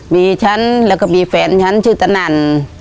มีฉันแล้วก็มีแฟนฉันชื่อตนั่น